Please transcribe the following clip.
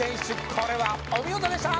これはお見事でした！